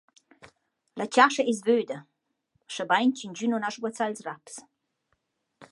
La chascha es vöda –schabain ch’ingün nun ha sguazzà ils raps.